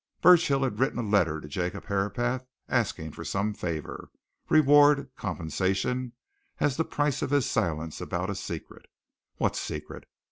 Burchill had written a letter to Jacob Herapath asking for some favour, reward, compensation, as the price of his silence about a secret. What secret?